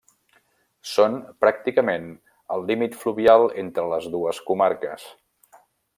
Són pràcticament el límit fluvial entre les dues comarques.